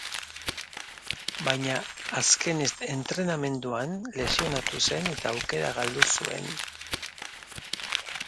Baina azken entrenamenduan lesionatu zen eta aukera galdu zuen.